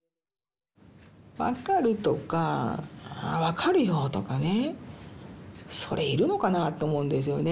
「わかる」とか「わかるよ」とかねそれいるのかなって思うんですよね。